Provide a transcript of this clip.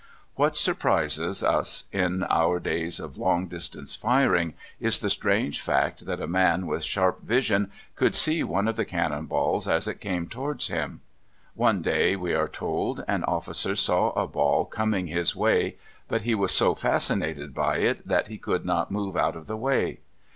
What surprises us in our days of long distance firing is the strange fact that a man with sharp vision could see one of the cannon balls as it came towards him. One day, we are told, an officer saw a ball coming his way, but he was so fascinated by it that he could not move out of the way.